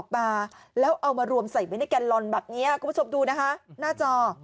แบบนี้ครับคุณผู้ชมดูนะฮะหน้าจอ